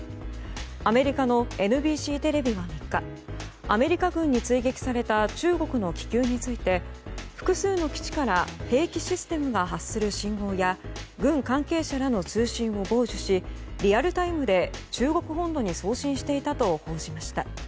アメリカのＮＢＣテレビは３日アメリカ軍に追撃された中国の気球について複数の基地から兵器システムが発する信号や軍関係者らの通信を傍受しリアルタイムで中国本土に送信していたと報じました。